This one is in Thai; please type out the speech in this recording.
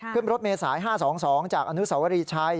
ขึ้นรถเมษาย๕๒๒จากอนุสวรีชัย